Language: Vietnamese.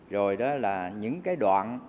rồi đó là những đoạn